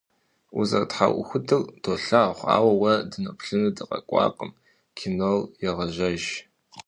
Узэрытхьэӏухудыр долъагъу, ауэ уэ дыноплъыну дыкъэкӏуакъым, кинор егъэжьэж.